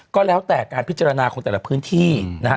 ก็แล้วแต่การพิจารณาของแต่ละพื้นที่นะฮะ